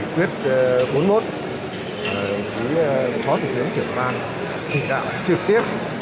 quyết bốn mươi một với phó thủ tướng kiểm soát chỉ đạo trực tiếp